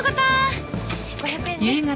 ５００円です。